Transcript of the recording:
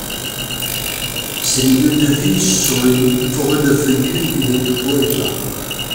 Ses milieux de vie sont les forêts de feuillus et les bois épars.